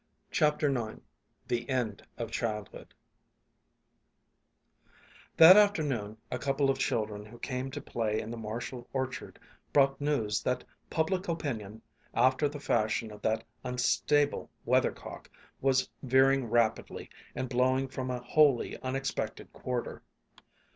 CHAPTER IX THE END OF CHILDHOOD That afternoon a couple of children who came to play in the Marshall orchard brought news that public opinion, after the fashion of that unstable weathercock, was veering rapidly, and blowing from a wholly unexpected quarter.